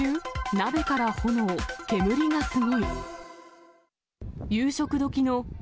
鍋から炎、煙がすごい。